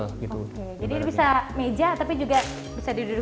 jadi ini bisa meja tapi juga bisa duduk